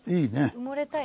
埋もれたい？